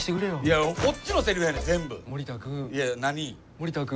森田君。